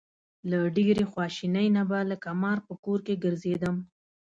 له ډېرې خواشینۍ نه به لکه مار په کور کې ګرځېدم.